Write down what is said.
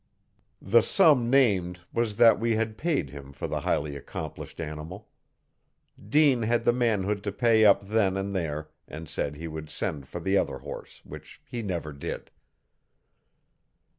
The sum named was that we had paid him for the highly accomplished animal. Dean had the manhood to pay up then and there and said he would send for the other horse, which he never did.